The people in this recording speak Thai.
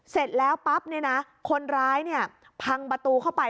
เสร็จแล้วปั๊บเนี่ยนะคนร้ายเนี่ยพังประตูเข้าไป